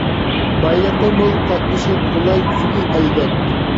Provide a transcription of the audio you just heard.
بايلىقى مول، قاتنىشى قولاي، سۈيى ئەلۋەك.